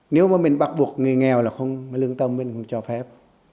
nếu mà mình bắt buộc người nghèo là không lương tâm mình không cho phép